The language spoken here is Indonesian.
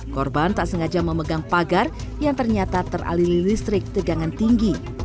korban tak sengaja memegang pagar yang ternyata teralili listrik tegangan tinggi